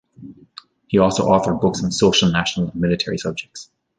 He also authored books on social-national and military subjects.